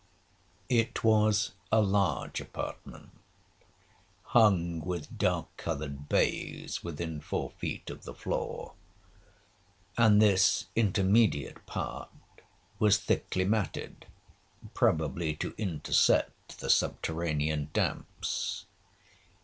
'It was a large apartment, hung with dark coloured baize within four feet of the floor, and this intermediate part was thickly matted, probably to intercept the subterranean damps.